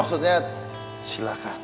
oh maksudnya silakan